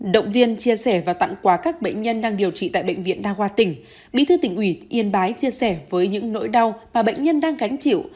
động viên chia sẻ và tặng quà các bệnh nhân đang điều trị tại bệnh viện đa khoa tỉnh bí thư tỉnh ủy yên bái chia sẻ với những nỗi đau mà bệnh nhân đang gánh chịu